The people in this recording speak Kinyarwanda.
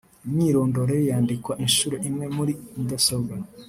imyirondoro ye yandikwa inshuro imwe muri mudasobwa